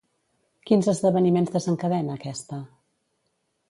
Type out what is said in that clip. Quins esdeveniments desencadena aquesta?